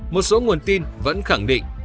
một số nguồn tin vẫn khẳng định